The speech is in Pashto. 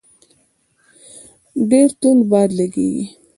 ډېر توند باد لګېدی.